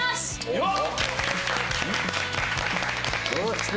よっ！